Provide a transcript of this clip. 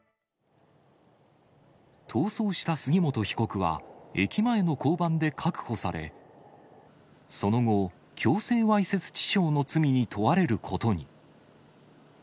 逃走した杉本被告は、駅前の交番で確保され、その後、強制わいせつ致傷の罪に問われることに。